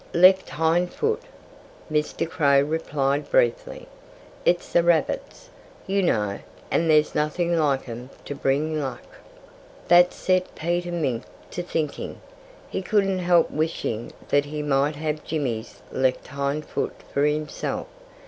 "Left hind foot!" Mr. Crow replied briefly. "It's a rabbit's, you know; and there's nothing like 'em to bring luck." That set Peter Mink to thinking. He couldn't help wishing that he might have Jimmy's left hind foot for himself.